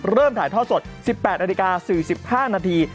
ถ่ายท่อสด๑๘นาฬิกา๔๕นาที